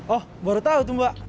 oh baru tahu tuh mbak